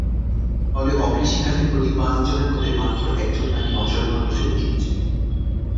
ফলে অকৃষি খাতে প্রতি পাঁচজনের মধ্যে মাত্র একজন নারী অংশগ্রহণের সুযোগ পাচ্ছেন।